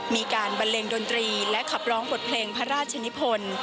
บันเลงดนตรีและขับร้องบทเพลงพระราชนิพล